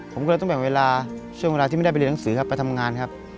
ผมก็เลยต้องแบ่งเวลาช่วงเวลาที่ไม่ได้ไปเรียนหนังสือครับไปทำงานครับ